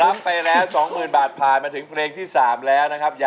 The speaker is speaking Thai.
รับไปแล้ว๒หมื่นบาทผ่านมาถึงเพลงที่สามแล้วนะครับ